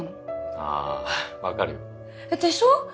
あぁわかるよ。でしょ？